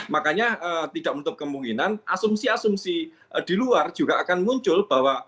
makanya tidak menutup kemungkinan asumsi asumsi di luar juga akan muncul bahwa